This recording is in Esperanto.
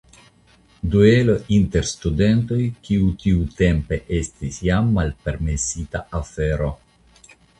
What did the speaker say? Duelo inter studentoj kiu tiutempe estis jam malpermesita afero.